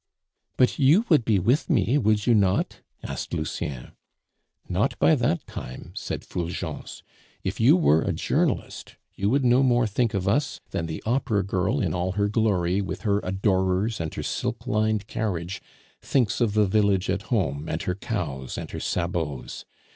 "But you would be with me, would you not?" asked Lucien. "Not by that time," said Fulgence. "If you were a journalist, you would no more think of us than the Opera girl in all her glory, with her adorers and her silk lined carriage, thinks of the village at home and her cows and her sabots.